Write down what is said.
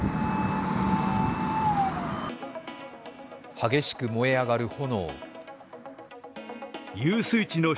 激しく燃え上がる炎。